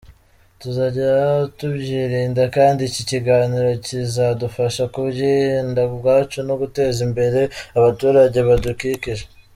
Tuzajya tubyirinda kandi iki kiganiro kizadufasha kubwiyinda ubwacu no guteza imbere abaturage badukikije.